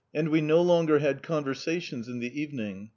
And we no longer had conversations in the evening.